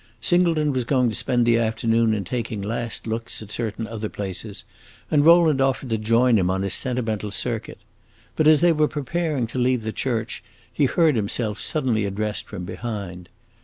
Singleton was going to spend the afternoon in taking last looks at certain other places, and Rowland offered to join him on his sentimental circuit. But as they were preparing to leave the church, he heard himself suddenly addressed from behind.